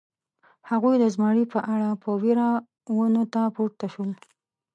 هغوی د زمري په اړه په وېره ونو ته پورته شول.